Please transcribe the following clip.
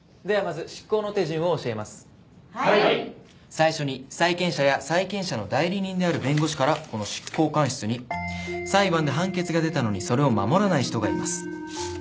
最初に債権者や債権者の代理人である弁護士からこの執行官室に「裁判で判決が出たのにそれを守らない人がいます」